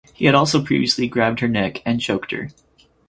He had also previously grabbed her neck and choked her.